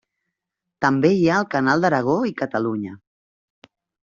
També hi ha el Canal d'Aragó i Catalunya.